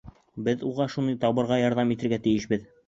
Беҙ уға шуны табырға ярҙам итергә тейешбеҙ.